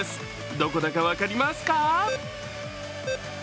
どこだか分かりますか？